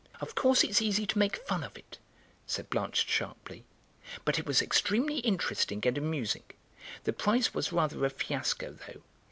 "Of course it's easy to make fun of it," said Blanche sharply, "but it was extremely interesting and amusing. The prize was rather a fiasco, though.